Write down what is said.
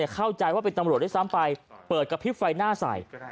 เข้าใจว่าเป็นตำรวจด้วยซ้ำไปเปิดกระพริบไฟหน้าใส่